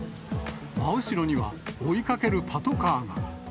真後ろには追いかけるパトカーが。